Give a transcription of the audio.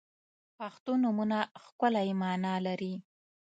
• پښتو نومونه ښکلی معنا لري.